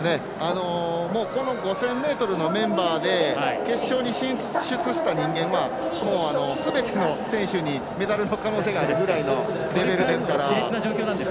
この５０００ｍのメンバーで決勝に進出した人間は、すべての選手にメダルの可能性があるぐらいの選手ですから。